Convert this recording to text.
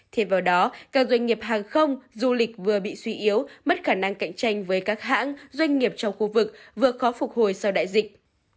thêm vào đó các doanh nghiệp hàng không du lịch vừa bị suy yếu mất khả năng cạnh tranh với các hãng doanh nghiệp trong khu vực vừa khó phục hồi sau đại dịch